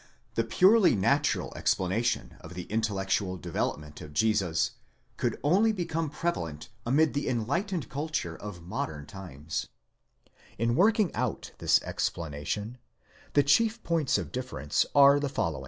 '* The purely natural explanation of the intellectual development of Jesus could only become prevalent amid the enlightened culture of modern times In working out this explanation, the chief points of difference are the follow.